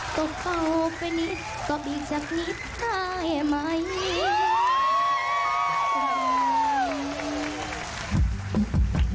ตกเข้าไปนิดตกอีกจากนิดได้ไหม